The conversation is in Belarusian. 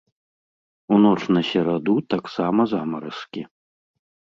У ноч на сераду таксама замаразкі.